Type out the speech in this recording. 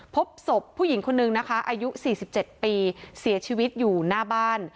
พบศพผู้หญิงคนนึงนะคะอายุ๔๗ปีเสียชีวิตอยู่หน้าบ้าน